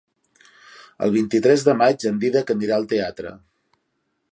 El vint-i-tres de maig en Dídac anirà al teatre.